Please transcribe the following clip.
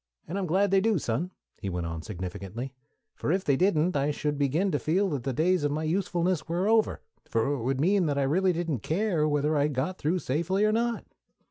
And I'm glad they do, Son," he went on significantly; "for if they didn't, I should begin to feel that the days of my usefulness were over, for it would mean that I really didn't care whether I got through safely or not."